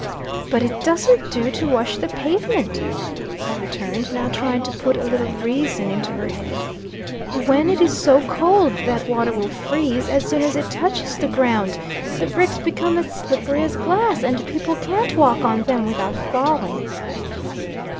"But it doesn't do to wash the pavement," I returned, now trying to put a little reason into her head, "when it is so cold that water will freeze as soon as it touches the ground. The bricks become as slippery as glass, and people can't walk on them without falling."